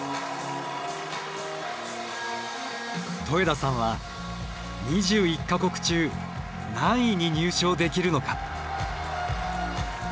戸枝さんは２１か国中何位に入賞できるのか。